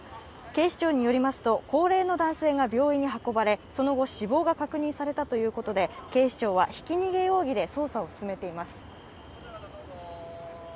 警視庁によりますと高齢の男性が病院に運ばれその後、死亡が確認されたということで警視庁はひき逃げ容疑で捜査を進めています。